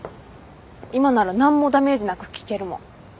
今なら何もダメージなく聞けるもん。